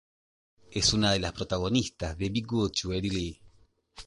Es una de las protagonistas de "Bee good to Eddie Lee".